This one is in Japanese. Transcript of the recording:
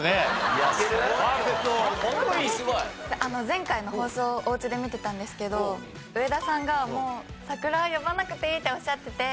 前回の放送をおうちで見てたんですけど上田さんがもう櫻は呼ばなくていいっておっしゃってて。